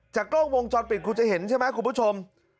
กล้องวงจรปิดคุณจะเห็นใช่ไหมคุณผู้ชม